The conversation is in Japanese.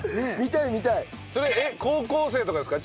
それ高校生とかですか？